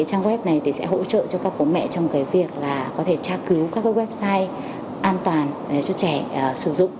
trang web này sẽ hỗ trợ cho các bố mẹ trong việc có thể tra cứu các website an toàn cho trẻ sử dụng